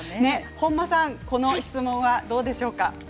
本間さん、この質問はどうでしょうか。